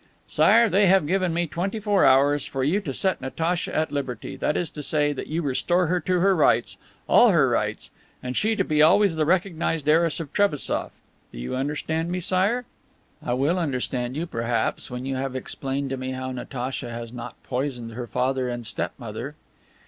"Sire they have given me twenty four hours for you to set Natacha at liberty, that is to say, that you restore her to her rights, all her rights, and she be always the recognized heiress of Trebassof. Do you understand me, Sire? "I will understand you, perhaps, when you have explained to me how Natacha has not poisoned her father and step mother."